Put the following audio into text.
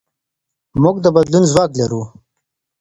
موږ د بدلون ځواک لرو.